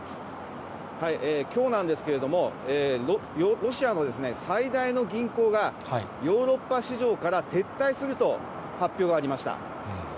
きょうなんですけれども、ロシアの最大の銀行が、ヨーロッパ市場から撤退すると発表がありました。